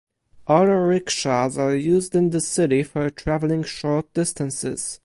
Auto rickshaws are used in the city for traveling short distances.